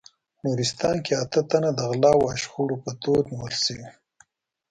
نورستان کې اته تنه د غلاوو او شخړو په تور نیول شوي